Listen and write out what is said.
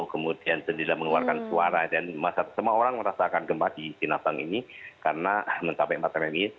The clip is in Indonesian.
kemudian mengeluarkan suara dan semua orang merasakan gempa di sinabang ini karena mencapai empat mmi